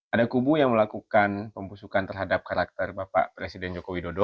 ada kubu yang melakukan pembusukan terhadap karakter bapak presiden joko widodo